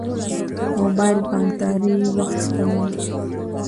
موبایل بانکداري وخت سپموي.